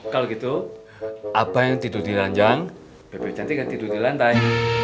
kalo gitu abang yang tidur di ranjang beb cantik yang tidur di lantai